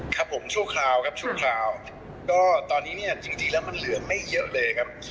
ครับผมชั่วคราวครับชั่วคราวก็ตอนนี้เนี่ยจริงแล้วมันเหลือไม่เยอะเลยครับ